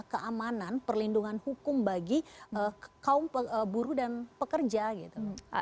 keamanan perlindungan hukum bagi kaum buruh dan pekerja gitu